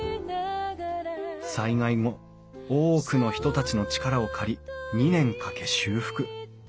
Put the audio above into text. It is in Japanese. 災害後多くの人たちの力を借り２年かけ修復。